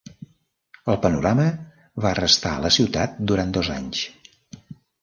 El panorama va restar a la ciutat durant dos anys.